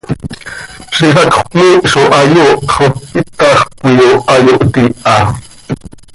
Ziix hacx cmiih zo hayooht xo ítajc coi oo hayooht iiha.